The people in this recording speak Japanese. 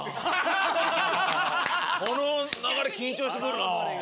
この流れ緊張してくるな。